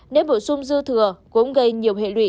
nếu bổ sung dư thừa cũng gây nhiều hệ lụy